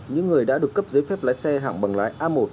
những người đã được cấp giấy phép lái xe hạng bằng lái a một